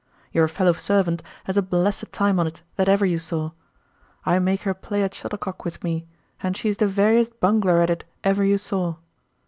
Your fellow servant has a blessed time on't that ever you saw. I make her play at shuttlecock with me, and she is the veriest bungler at it ever you saw.